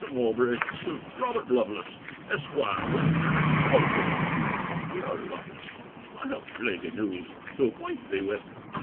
MOWBRAY, TO ROBERT LOVELACE, ESQ. WEDNESDAY, TWELVE O'CLOCK. DEAR LOVELACE, I have plaguy news to acquaint thee with.